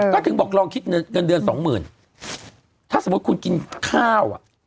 ก็ถึงบอกลองคิดเงินเดือนสองหมื่นถ้าสมมุติคุณกินข้าวอ่ะ